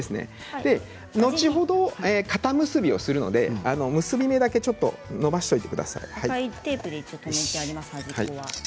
後ほど固結びをするので結び目だけ伸ばしておいてください。